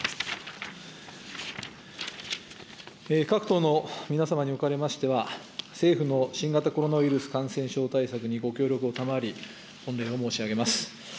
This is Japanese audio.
各党の皆様におかれましては、政府の新型コロナウイルス感染症対策にご協力をたまわり、御礼を申し上げます。